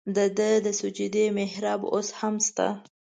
د ده د سجدې محراب اوس هم شته.